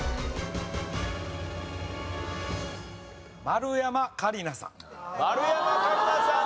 丸山桂里奈さん